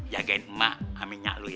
jagain emak minyak lu ya